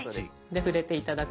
触れて頂くと